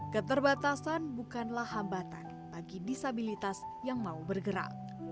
keterbatasan bukanlah hambatan bagi disabilitas yang mau bergerak